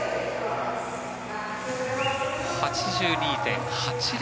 ８２．８０。